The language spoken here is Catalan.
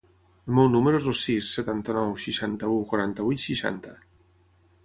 El meu número es el sis, setanta-nou, seixanta-u, quaranta-vuit, seixanta.